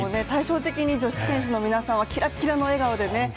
対照的に女子選手の皆さんはキラキラの笑顔でね